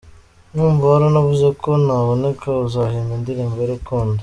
Ndumva waranavuze ko naboneka uzahimba indirimbo y’urukundo .